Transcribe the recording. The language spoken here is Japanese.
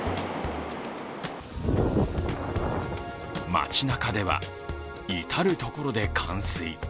街なかでは、至る所で冠水。